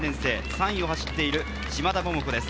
３位を走っている嶋田桃子です。